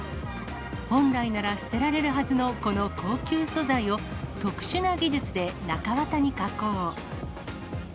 本来なら捨てられるはずのこの高級素材を、特殊な技術で中綿に加工。